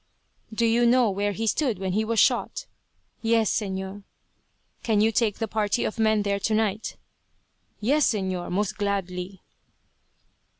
"Do you know where he stood when he was shot?" "Yes, Señor." "Can you take a party of men there tonight?" "Yes, Señor; most gladly."